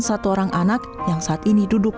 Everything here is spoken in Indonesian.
satu orang anak yang saat ini duduk